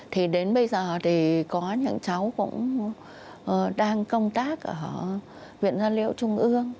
thì đến bây giờ thì có những cháu cũng đang công tác ở viện gia liễu trung ương